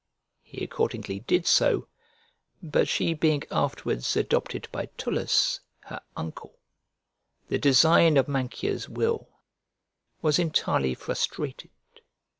He accordingly did so, but she being afterwards adopted by Tullus, her uncle, the design of Mancia's will was entirely frustrated.